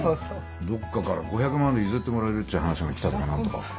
どっかから５００万で譲ってもらえるっちゅう話が来たとか何とか。